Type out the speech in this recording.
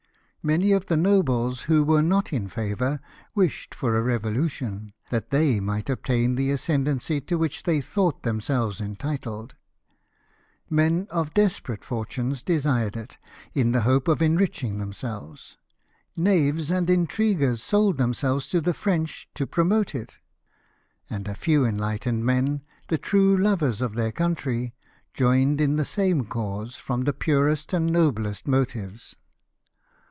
Many of the nobles who were not in favour wished for a revolution, that they might obtain the ascendency to which they thought themselves entitled ; men of desperate fortunes de sired it, in the hope of enriching themselves ; knaves and intriguers sold themselves to the French to L 2 164 LIFE OF NELSON. promote it ; and a few enlightened men, and true lovers of their country, joined in the same cause from the purest and noblest motives.